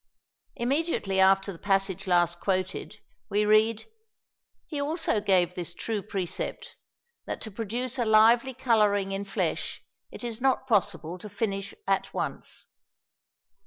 Immediately after the passage last quoted we read, "He also gave this true precept, that to produce a lively colouring in flesh it is not possible to finish at once."